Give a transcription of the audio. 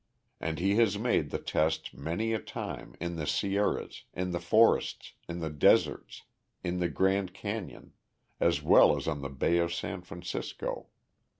And he has made the test many a time, in the Sierras, in the forests, in the deserts, in the Grand Canyon, as well as on the Bay of San Francisco.